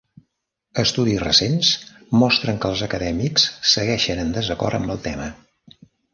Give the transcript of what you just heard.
Estudis recents mostren que els acadèmics segueixen en desacord amb el tema.